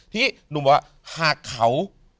ที่หนุ่มบอกว่าหากเขา